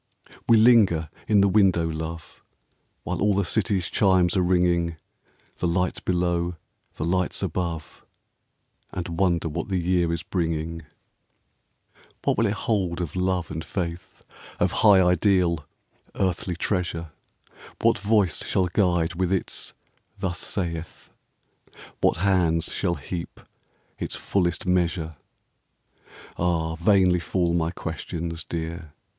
We linger in the window, love, While all the city's chimes are ringing, — The lights below, the lights above, — And wonder what the year is bringing. 123 FOR FLORENCE. What will it hold of love and faith, Of high ideal, earthly treasure ? What voice shall guide with its " Thus saith "? What hands shall heap its fullest measure ? Ah, vainly fall my questions, dear.